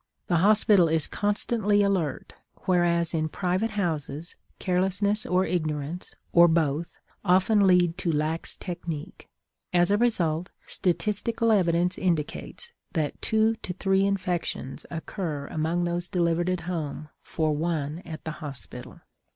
The hospital is constantly alert, whereas in private houses carelessness or ignorance, or both, often lead to lax technique. As a result, statistical evidence indicates that two to three infections occur among those delivered at home for one at the hospital.